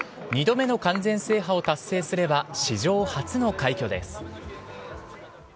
２度目の完全制覇を達成すれば史上初の快挙です。